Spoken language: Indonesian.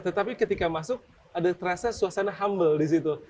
tetapi ketika masuk ada terasa suasana humble di situ